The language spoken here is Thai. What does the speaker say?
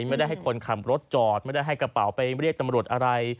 ไม่ได้ให้คนขับรถจอดไม่ได้ให้กระเป๋าไปเรียกตำรวจอะไร